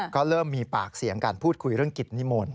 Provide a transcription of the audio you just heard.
ก็เริ่มมีปากเสียงกันพูดคุยเรื่องกิจนิมนต์